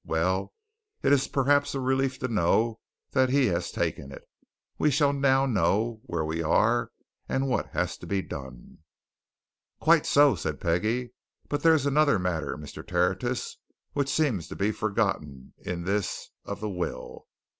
Well, it is perhaps a relief to know that he has taken it: we shall now know where we are and what has to be done." "Quite so," said Peggie. "But there is another matter, Mr. Tertius, which seems to be forgotten in this of the will.